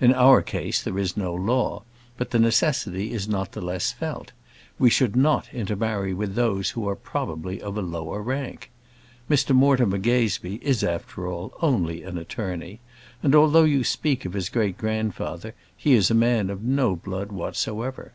In our case there is no law, but the necessity is not the less felt; we should not intermarry with those who are probably of a lower rank. Mr Mortimer Gazebee is, after all, only an attorney; and, although you speak of his great grandfather, he is a man of no blood whatsoever.